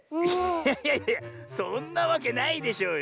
いやいやいやそんなわけないでしょうよ。